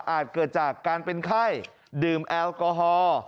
เกิดจากการเป็นไข้ดื่มแอลกอฮอล์